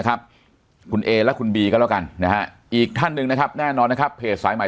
ครับคุณเอและคุณบีก็แล้วกันนะฮะอีกท่านหนึ่งนะครับแน่นอนนะครับเพจสายใหม่